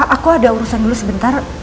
aku ada urusan dulu sebentar